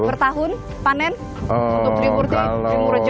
bertahun panen untuk trik prik di murujo